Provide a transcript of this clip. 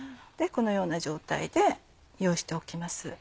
このような状態で用意しておきます。